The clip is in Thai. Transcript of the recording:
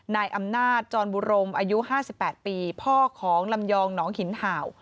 นายอำนาจจรบุรมอายุ๕๘ปีพ่อของลำยองหนองหินเห่า